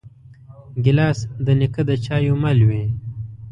ګیلاس د نیکه د چایو مل وي.